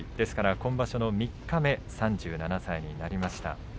今場所三日目で３７歳になりました。